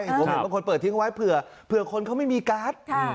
ผมเห็นบางคนเปิดทิ้งไว้เผื่อคนเขาไม่มีการ์ด